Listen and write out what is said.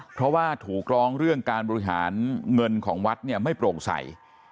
เพราะว่าถูกร้องเรื่องการบริหารเงินของวัดเนี่ยไม่โปร่งใส